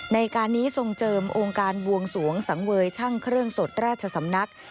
ในการนี้ทรงเจิมองค์การบวงสวงสังเวยช่างเครื่องสดราชสำนัก